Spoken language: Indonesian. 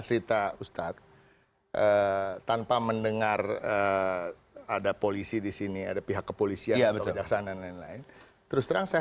cerita ustadz tanpa mendengar ada polisi di sini ada pihak kepolisian atau kejaksaan dan lain lain terus terang saya